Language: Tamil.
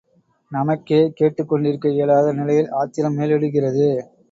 நமக்கே கேட்டுக் கொண்டிருக்க இயலாத நிலையில் ஆத்திரம் மேலிடுகிறது!